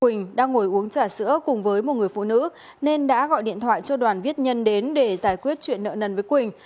huỳnh đang ngồi uống trà sữa cùng với một người phụ nữ nên đã gọi điện thoại cho đoàn viết nhân đến để giải quyết chuyện nợ nần với quỳnh